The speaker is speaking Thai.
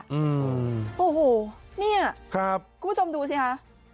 อืมโอ้โหเนี่ยครับคุณผู้ชมดูสิคะ